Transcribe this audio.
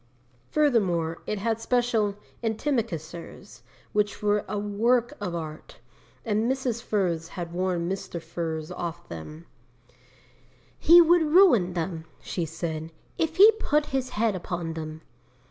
Furthermore, it had special antimacassars, which were a work of art, and Mrs. Furze had warned Mr. Furze off them. "He would ruin them," she said, "if he put his head upon them."